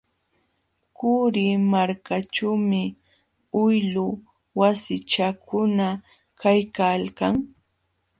Qurimarkaćhuumi uylu wasichakuna kaykalkan.